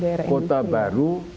dari kota baru